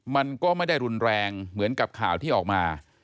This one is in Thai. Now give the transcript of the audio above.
มันก็ไม่ได้รุนแรงเหมือนกับข่าวที่ออกมา